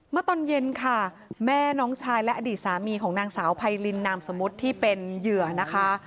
เมื่อตอนเย็นค่ะแม่น้องชายและอดีตสามีของนางสาวไพรินนามสมมุติที่เป็นเหยื่อนะคะ